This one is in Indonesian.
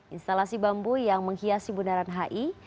instalasi bambu yang menghiasi bundaran hi